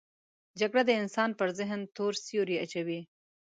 جګړه د انسان پر ذهن تور سیوری اچوي